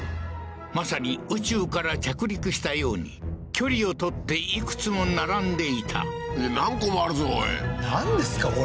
まさに宇宙から着陸したように距離を取っていくつも並んでいた何個もあるぞおいなんですか？